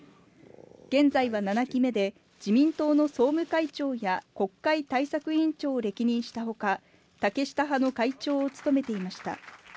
現在は７期目で自民党の総務会長や国会対策委員長を歴任した他竹下派の会長を務めていました。